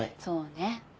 そうね。